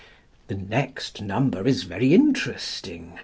The next number is very interesting.